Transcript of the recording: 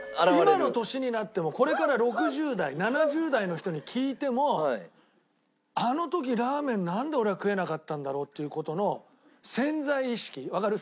今の年になってもこれから６０代７０代の人に聞いても「あの時ラーメンなんで俺は食えなかったんだろう」っていう事の潜在意識わかる？